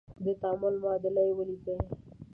د تعامل معادله یې ولیکئ.